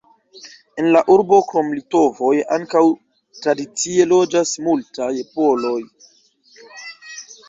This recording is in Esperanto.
En la urbo krom litovoj ankaŭ tradicie loĝas multaj poloj.